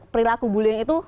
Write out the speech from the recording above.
perilaku bullying itu